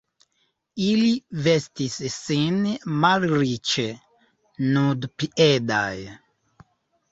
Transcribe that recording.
Ili vestis sin malriĉe, nudpiedaj.